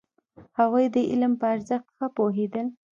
هغوی د علم په ارزښت ښه پوهېدل.